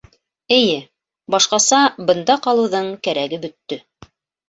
Эйе... башҡаса бында ҡалыуҙың кәрәге бөттө.